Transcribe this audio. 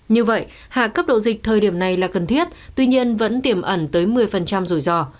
như vậy hạ cấp độ dịch thời điểm này là cần thiết tuy nhiên vẫn tiềm ẩn tới một mươi rủi ro